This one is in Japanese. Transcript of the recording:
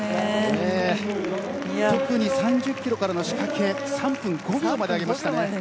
特に３０キロからの仕掛け３分５秒まで上げました。